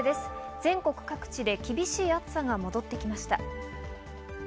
全国各地で厳しい暑さが戻ってきました。